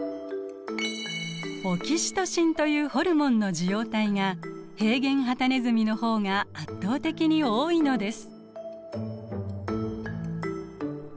オキシトシンというホルモンの受容体が平原ハタネズミの方が圧倒的に多いのです。